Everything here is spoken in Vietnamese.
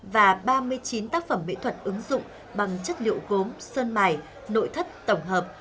và ba mươi chín tác phẩm mỹ thuật ứng dụng bằng chất liệu gốm sơn mài nội thất tổng hợp